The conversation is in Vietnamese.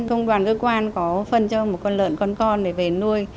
công đoàn cơ quan có phân cho một con lợn con con để về nuôi